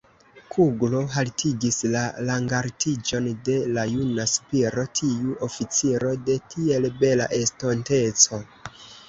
Kuglo haltigis la rangaltiĝon de la juna Spiro, tiu oficiro de tiel bela estonteco!